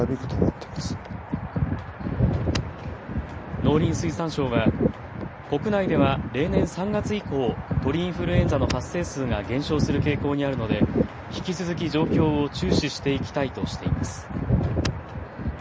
農林水産省は国内では例年３月以降、鳥インフルエンザの発生数が減少する傾向にあるので引き続き状況を注視していきたいとしています。